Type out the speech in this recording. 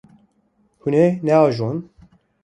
Hûn ê neajon.